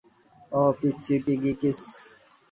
অও, পিচ্চি piggy kiss.